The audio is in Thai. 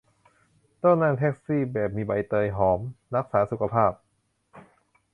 ต้องนั่งแท็กซี่แบบมีใบเตยหอม รักษาสุขภาพ